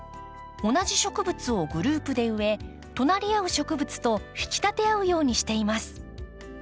同じ植物をグループで植え隣り合う植物と引き立て合うようにしています。